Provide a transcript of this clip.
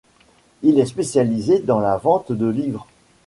Il est spécialisé dans la vente de livres.